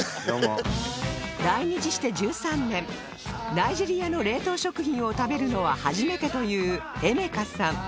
ナイジェリアの冷凍食品を食べるのは初めてというエメカさん